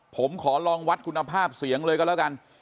ผมขอลองวัดคุณภาพเสียงเลยก็แล้วกัน